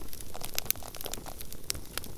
მან ორი მსახური იახლა და ანისში წავიდა.